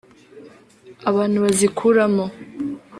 abantu bazikuramo